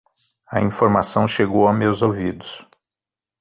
A informação chegou a meus ouvidos